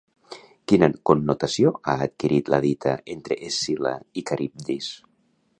Quina connotació ha adquirit la dita «entre Escil·la i Caribdis»?